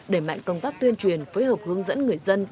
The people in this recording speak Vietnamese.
đẩy mạnh công tác tuyên truyền phối hợp hướng dẫn người dân